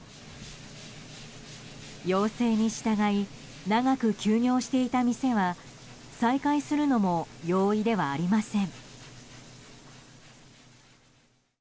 要請に従い長く休業していた店は再開するのも容易ではありません。